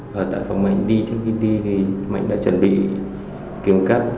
và tại phòng mạnh đi trước khi đi thì mạnh đã chuẩn bị kiểm cắt